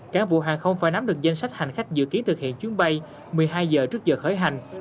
cán bộ hàng không phải nắm được danh sách hành khách dự kiến thực hiện chuyến bay một mươi hai giờ trước giờ khởi hành